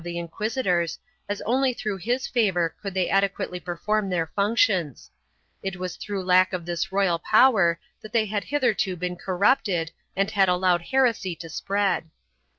the inquisitors, as only through his favor could they adequately per form their functions ; it was through lack of this royal power that they had hitherto been corrupted and had allowed heresy to spread.